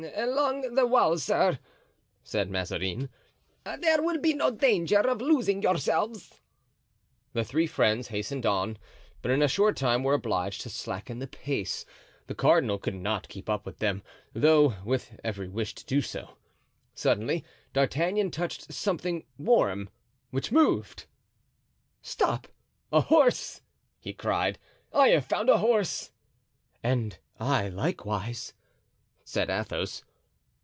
"Along the wall, sir," said Mazarin, "there will be no danger of losing yourselves." The three friends hastened on, but in a short time were obliged to slacken the pace. The cardinal could not keep up with them, though with every wish to do so. Suddenly D'Artagnan touched something warm, which moved. "Stop! a horse!" he cried; "I have found a horse!" "And I, likewise," said Athos.